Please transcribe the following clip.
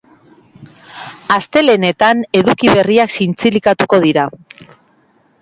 Astelehenetan eduki berriak zintzilikatuko dira.